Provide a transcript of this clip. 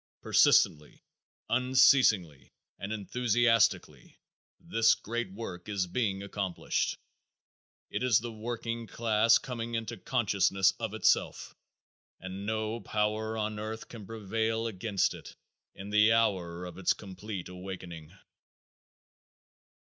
Persistently, unceasingly and enthusiastically this great work is being accomplished. It is the working class coming into consciousness of itself, and no power on earth can prevail against it in the hour of its complete awakening.